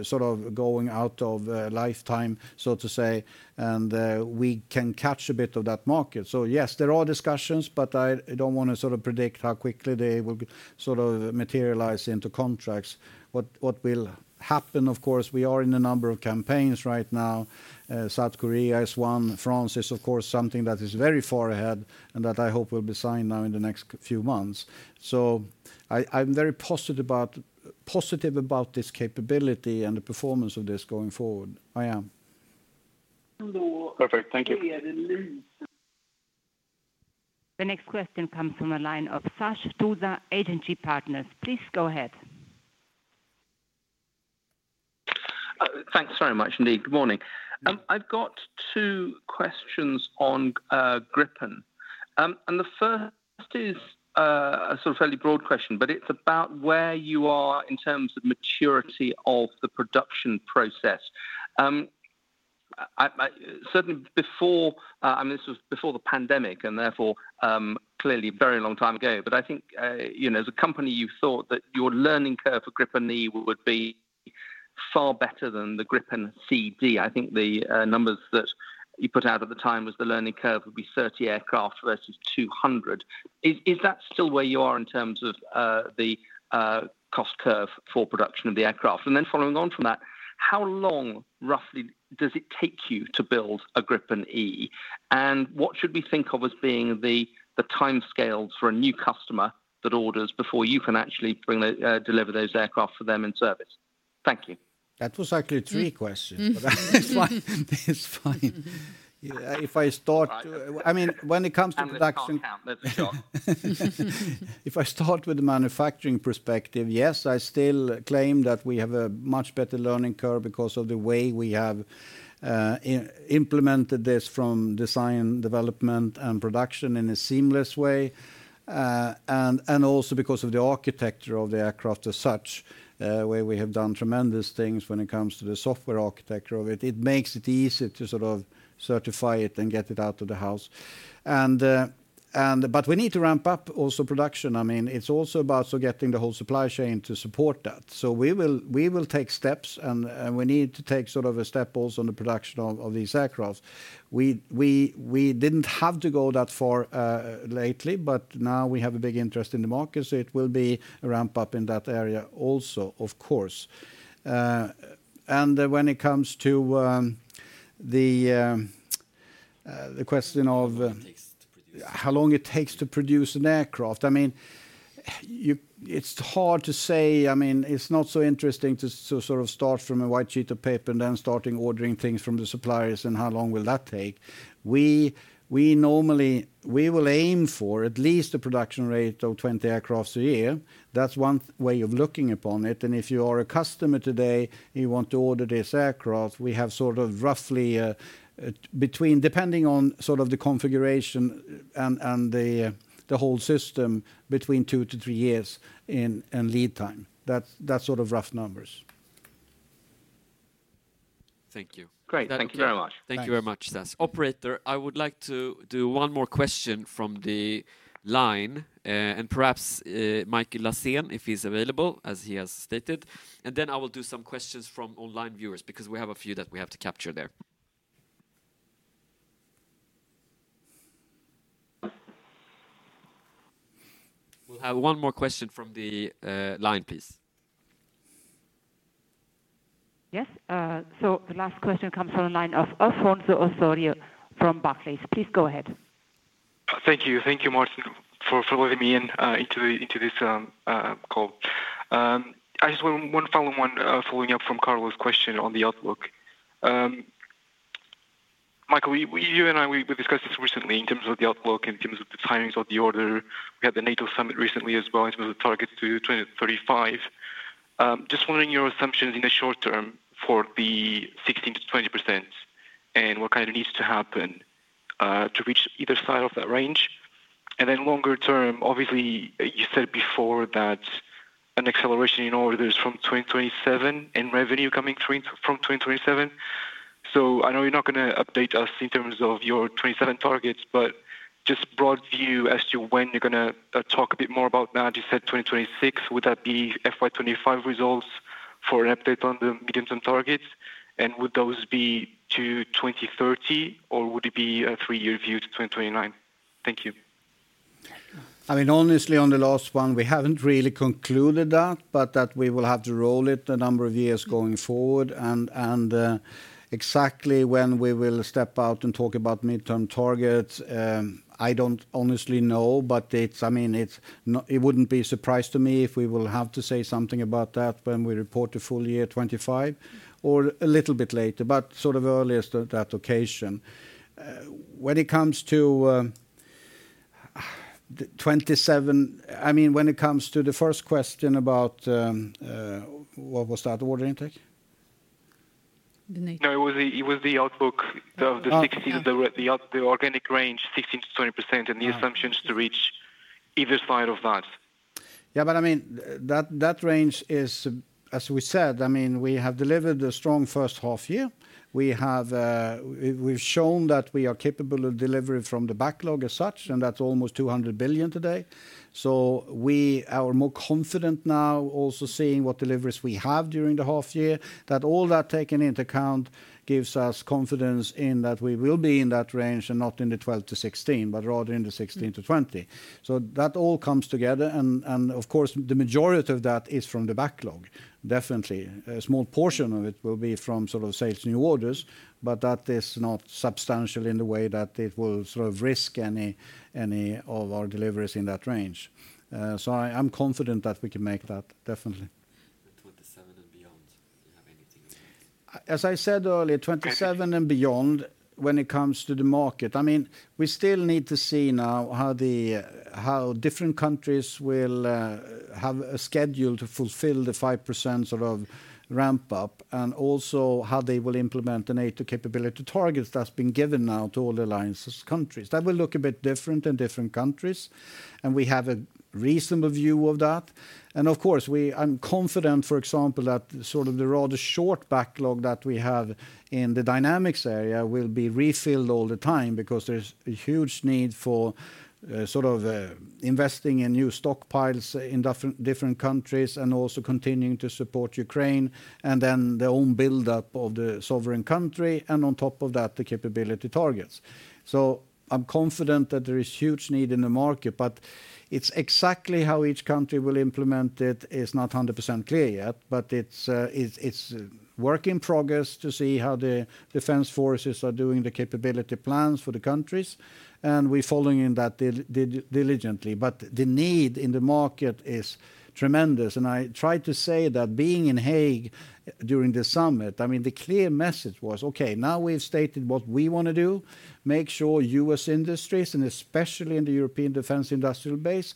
[SPEAKER 2] is sort of going out of lifetime, so to say, and we can catch a bit of that market. So yes, there are discussions, but I don't want to sort of predict how quickly they will sort of materialize into contracts. What will happen, of course, we are in a number of campaigns right now. South Korea is one. France is, of course, something that is very far ahead and that I hope will be signed now in the next few months. I'm very positive about this capability and the performance of this going forward. I am.
[SPEAKER 8] Perfect. Thank you.
[SPEAKER 4] The next question comes from the line of Sash Tusa to the Agency Partners. Please go ahead.
[SPEAKER 9] Thanks very much, indeed. Good morning. I've got two questions on Gripen. The first is a sort of fairly broad question, but it's about where you are in terms of maturity of the production process. Certainly before, I mean, this was before the pandemic and therefore clearly a very long time ago. But I think as a company, you thought that your learning curve for Gripen E would be far better than the Gripen C/D. I think the numbers that you put out at the time was the learning curve would be 30 aircraft versus 200. Is that still where you are in terms of the cost curve for production of the aircraft? Then following on from that, how long roughly does it take you to build a Gripen E? What should we think of as being the timescales for a new customer that orders before you can actually deliver those Aircraft for them in service? Thank you.
[SPEAKER 2] That was actually a three question. That's fine. If I start to, I mean, when it comes to production. If I start with the manufacturing perspective, yes, I still claim that we have a much better learning curve because of the way we have implemented this from design, development, and production in a seamless way. Also because of the architecture of the Aircraft as such, where we have done tremendous things when it comes to the software architecture of it. It makes it easy to sort of certify it and get it out of the house. But we need to ramp up also production. I mean, it's also about getting the whole supply chain to support that. We will take steps, and we need to take sort of a step also in the production of these aircraft. We didn't have to go that far lately, but now we have a big interest in the market, so it will be a ramp up in that area also, of course. When it comes to the question of how long it takes to produce an Aircraft, I mean, it's hard to say. I mean, it's not so interesting to sort of start from a white sheet of paper and then starting ordering things from the suppliers and how long will that take. We normally, we will aim for at least a production rate of 20 aircraft a year. That's one way of looking upon it. If you are a customer today, you want to order this aircraft, we have sort of roughly, depending on sort of the configuration and the whole system between two to three years in lead time. That's sort of rough numbers.
[SPEAKER 9] Thank you. Great. Thank you very much.
[SPEAKER 2] Thank you very much, Sash.
[SPEAKER 1] Operator, I would like to do one more question from the line, and perhaps Micael, if he's available, as he has stated. Then I will do some questions from online viewers because we have a few that we have to capture there. We'll have one more question from the line, please.
[SPEAKER 4] Yes. So the last question comes from the line of Afonso Osório from Barclays. Please go ahead.
[SPEAKER 10] Thank you. Thank you, Merton, for letting me in into this call. I just want one following up from Carlos's question on the outlook. Micael, you and I, we discussed this recently in terms of the outlook, in terms of the timings of the order. We had the NATO Summit recently as well in terms of target to 2035. Just wondering your assumptions in the short term for the 16%-20% and what kind of needs to happen to reach either side of that range. Then longer term, obviously, you said before that an acceleration in orders from 2027, and revenue coming through from 2027. So I know you're not going to update us in terms of your 2027 targets, but just broad view as to when you're going to talk a bit more about that. You said 2026. Would that be FY 2025 results for an update on the medium-term targets? Would those be to 2030, or would it be a three-year view to 2029? Thank you.
[SPEAKER 2] I mean, honestly, on the last one, we haven't really concluded that, but that we will have to roll it a number of years going forward. Exactly when we will step out and talk about midterm targets, I don't honestly know, but I mean, it wouldn't be a surprise to me if we will have to say something about that when we report the full year 2025 or a little bit later, but sort of earlier that occasion. When it comes to 2027, I mean, when it comes to the first question about what was that Order Intake?
[SPEAKER 10] No, it was the outlook of the 16, the organic range, 16%-20%, and the assumptions to reach either side of that.
[SPEAKER 2] Yeah, but I mean, that range is, as we said, I mean, we have delivered a strong first half year. We've shown that we are capable of delivery from the backlog as such, and that's almost 200 billion today. So we are more confident now also seeing what deliveries we have during the half year. That all that taken into account gives us confidence in that we will be in that range and not in the 12%-16%, but rather in the 16%-20%. That all comes together. Of course, the majority of that is from the backlog. Definitely, a small portion of it will be from sort of sales new orders, but that is not substantial in the way that it will sort of risk any of our deliveries in that range. I'm confident that we can make that, definitely.
[SPEAKER 10] 2027 and beyond, do you have anything?
[SPEAKER 2] As I said earlier, 2027 and beyond, when it comes to the market, I mean, we still need to see now how different countries will have a schedule to fulfill the 5% sort of ramp-up and also how they will implement the NATO capability targets that's been given now to all the Alliance countries. That will look a bit different in different countries, and we have a reasonable view of that. Of course, I'm confident, for example, that sort of the rather short backlog that we have in the Dynamics area will be refilled all the time because there's a huge need for sort of investing in new stockpiles in different countries and also continuing to support Ukraine and then the own buildup of the sovereign country and on top of that, the capability targets. I'm confident that there is huge need in the market, but it's exactly how each country will implement it is not 100% clear yet, but it's a work in progress to see how the defense forces are doing the capability plans for the countries. We're following that diligently. But the need in the market is tremendous. I tried to say that being in The Hague during the summit, I mean, the clear message was, okay, now we've stated what we want to do, make sure U.S. industries, and especially in the European defense industrial base,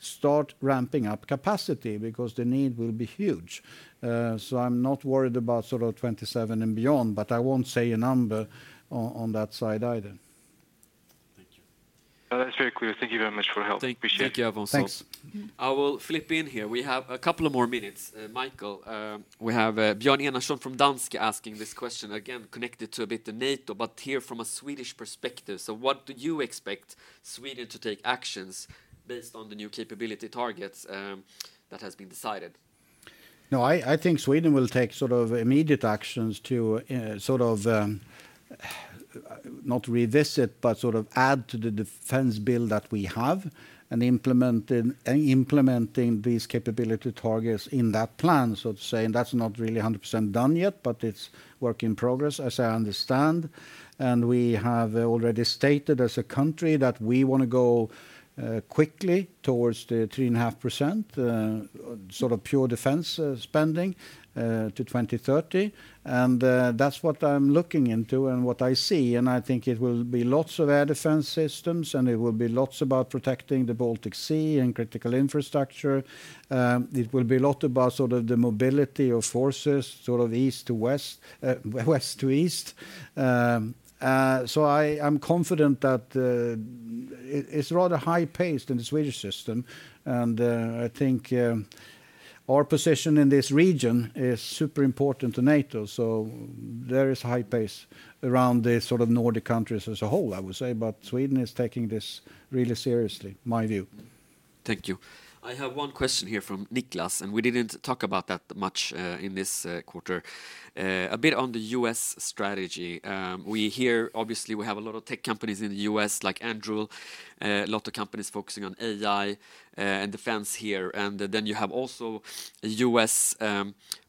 [SPEAKER 2] start ramping up capacity because the need will be huge. I'm not worried about sort of 2027 and beyond, but I won't say a number on that side either.
[SPEAKER 10] Thank you. That's very clear. Thank you very much for your help. Appreciate it.
[SPEAKER 2] Thank you, Afonso. Thanks.
[SPEAKER 1] I will flip in here. We have a couple of more minutes. Micael, we have Björn Eneasson from Danske asking this question again, connected to a bit of NATO, but here from a Swedish perspective. What do you expect Sweden to take actions based on the new capability targets that have been decided?
[SPEAKER 2] No, I think Sweden will take sort of immediate actions to sort of not revisit, but sort of add to the defense bill that we have and implementing these capability targets in that plan, so to say. That's not really 100% done yet, but it's work in progress, as I understand. We have already stated as a country that we want to go quickly towards the 3.5% sort of pure-defense spending to 2030. That's what I'm looking into and what I see. I think it will be lots of air defense systems, and it will be lots about protecting the Baltic Sea and critical infrastructure. It will be a lot about sort of the mobility of forces, sort of east to west, west to east. So I'm confident that it's rather high-paced in the Swedish system. I think our position in this region is super important to NATO. So there is high pace around the sort of Nordic countries as a whole, I would say. Sweden is taking this really seriously, my view.
[SPEAKER 1] Thank you. I have one question here from Niklas, and we didn't talk about that much in this quarter. A bit on the U.S. strategy. We hear, obviously, we have a lot of tech companies in the U.S., like Anduril, a lot of companies focusing on AI and defense here. Then you have also a U.S.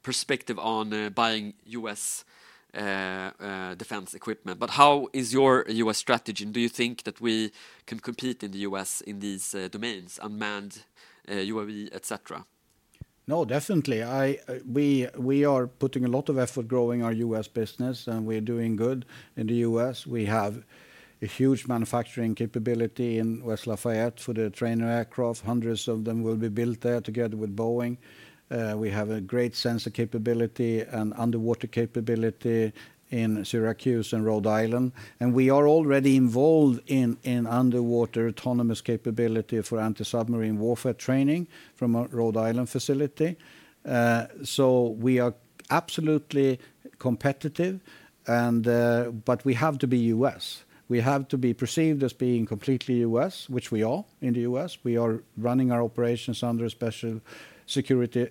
[SPEAKER 1] perspective on buying U.S. defense equipment. How is your U.S. strategy? Do you think that we can compete in the U.S. in these domains, unmanned, UAV, etc.?
[SPEAKER 2] No, definitely. We are putting a lot of effort growing our U.S. business, and we're doing good in the U.S. We have a huge manufacturing capability in West Lafayette for the trainer aircraft. Hundreds of them will be built there together with Boeing. We have a great sensor capability and underwater capability in Syracuse and Rhode Island. We are already involved in underwater autonomous capability for anti-submarine warfare training from a Rhode Island facility. So we are absolutely competitive, but we have to be U.S. We have to be perceived as being completely U.S., which we are in the U.S. We are running our operations under a special security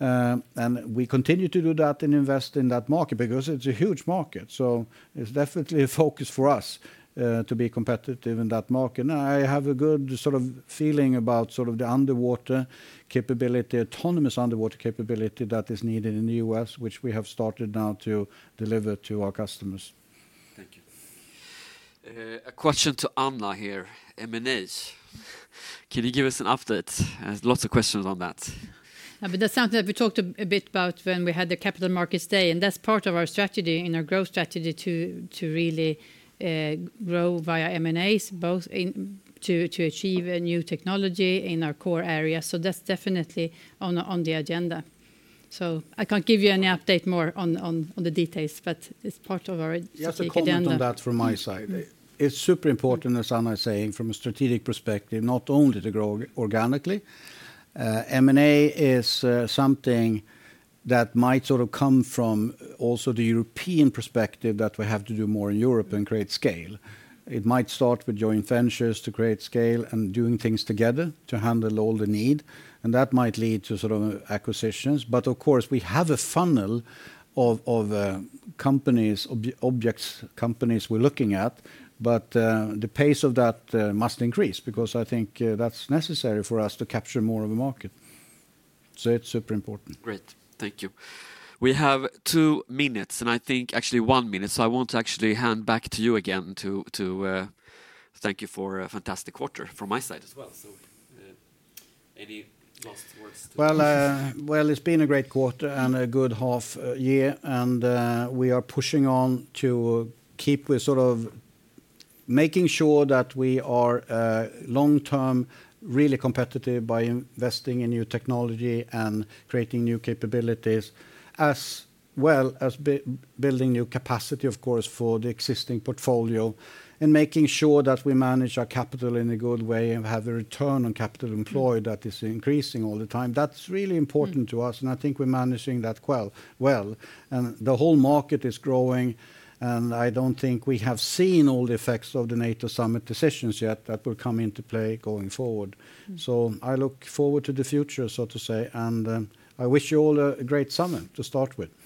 [SPEAKER 2] arrangement. We continue to do that and invest in that market because it's a huge market. So it's definitely a focus for us to be competitive in that market. I have a good sort of feeling about sort of the underwater capability, autonomous underwater capability that is needed in the U.S., which we have started now to deliver to our customers.
[SPEAKER 1] Thank you. A question to Anna here, M&As. Can you give us an update? There's lots of questions on that.
[SPEAKER 3] That's something that we talked a bit about when we had the Capital Markets Day. That's part of our strategy in our growth strategy to really grow via M&As to achieve a new technology in our core area. So that's definitely on the agenda. So I can't give you any update more on the details, but it's part of our agenda.
[SPEAKER 2] Yeah, I'll just comment on that from my side. It's super important, as Anna is saying, from a strategic perspective, not only to grow organically. M&A is something that might sort of come from also the European perspective that we have to do more in Europe and create scale. It might start with joint ventures to create scale and doing things together to handle all the need. That might lead to sort of acquisitions. Of course, we have a funnel of companies, object companies we're looking at. The pace of that must increase because I think that's necessary for us to capture more of a market. So it's super important.
[SPEAKER 1] Great. Thank you. We have two minutes, and I think actually one minute. So I want to actually hand back to you again to. Thank you for a fantastic quarter from my side as well. So. Any last words?
[SPEAKER 2] Well, it's been a great quarter and a good half year. We are pushing on to keep with sort of making sure that we are long-term really competitive by investing in new technology and creating new capabilities, as well as building new capacity, of course, for the existing portfolio, and making sure that we manage our capital in a good way and have a return on capital employed that is increasing all the time. That's really important to us. I think we're managing that well. The whole market is growing. I don't think we have seen all the effects of the NATO summit decisions yet that will come into play going forward. So I look forward to the future, so to say. I wish you all a great summit to start with.